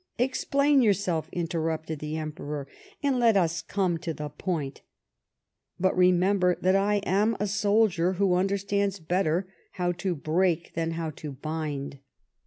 " Explain yourself," interrupted the Emperor, " and let us come to the point. But remember that I am a soldier who understands better how to break than how to bind.